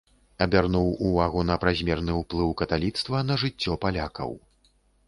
Абярнуў увагу на празмерны ўплыў каталіцтва на жыццё палякаў.